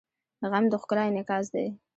غږ د ښکلا انعکاس دی